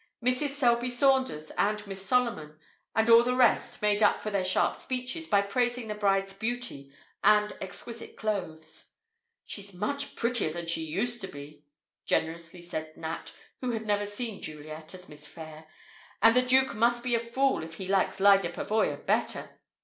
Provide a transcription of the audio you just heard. Mrs. Selby Saunders and Miss Solomon and all the rest made up for their sharp speeches by praising the bride's beauty and exquisite clothes. "She's much prettier than she used to be," generously said Nat (who had never seen Juliet as Miss Phayre), "and the Duke must be a fool if he likes Lyda Pavoya better.